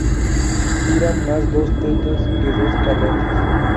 Tiran más dos tetas que dos carretas